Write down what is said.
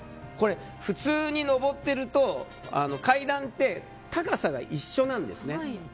普通に上っていると、階段って高さが一緒なんですね。